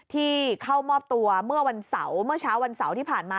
ที่เข้ามอบตัวเมื่อวันเสาร์เมื่อเช้าวันเสาร์ที่ผ่านมา